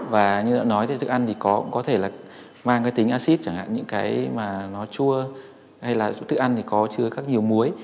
và như đã nói thức ăn có thể mang tính acid chẳng hạn những cái mà nó chua hay là thức ăn thì có chua các nhiều muối